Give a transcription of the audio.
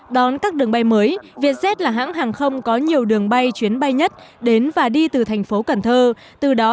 đón các đường bay mới viện xét là hãng hàng không có nhiều đường bay chuyến bay nhất đến và đi từ thành phố cần thơ